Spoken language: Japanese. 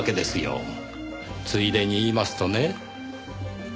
ついでに言いますとね。